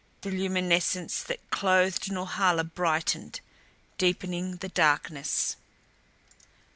The luminescence that clothed Norhala brightened, deepening the darkness.